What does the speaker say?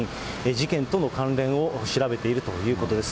事件との関連を調べているということです。